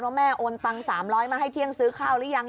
แม่โอนตัง๓๐๐มาให้เที่ยงซื้อข้าวหรือยัง